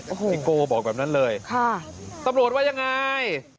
อิโก้บอกแบบนั้นเลยสำรวจว่ายังไงค่ะสำรวจว่ายังไง